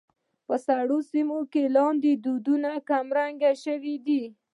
په سړو سيمو کې د لاندي دود کمرنګه شوى دى.